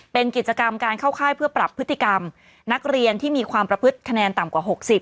เป็นกิจกรรมการเข้าค่ายเพื่อปรับพฤติกรรมนักเรียนที่มีความประพฤติคะแนนต่ำกว่า๖๐